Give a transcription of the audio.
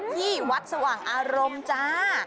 ที่วัดสว่างอารมณ์จ้า